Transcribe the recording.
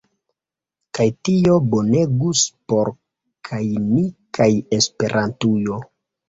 Kaj tio bonegus por kaj ni kaj Esperantujo.